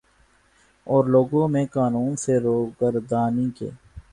اور لوگوں میں قانون سے روگردانی کے